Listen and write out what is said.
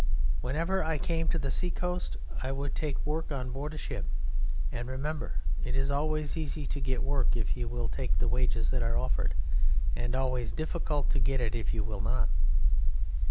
Whenever I came to the seacoast I would take work on board a ship and remember it is always easy to get work if you will take the wages that are offered, and always difficult to get it if you will not.